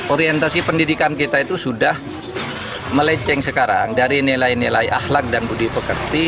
orientasi pendidikan kita itu sudah meleceng sekarang dari nilai nilai akhlak dan budi pekerti